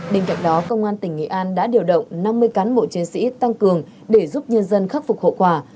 bên cạnh đó công an tỉnh nghệ an đã điều động năm mươi cán bộ chiến sĩ tăng cường để giúp nhân dân khắc phục hậu quả